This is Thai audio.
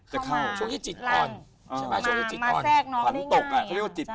จะเข้าลงมาแทรกน้องได้ง่าย